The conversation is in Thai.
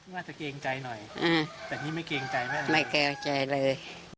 น่าจะเกรงใจหน่อยแต่นี่ไม่เกรงใจแม่เลย